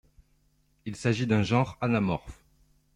Il s'agit d'un genre anamorphe.